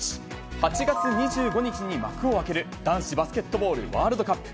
８月２５日に幕を開ける男子バスケットボールワールドカップ。